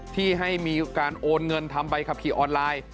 ที่ให้มีการโอนเงินทำใบขับขี่ออนไลน์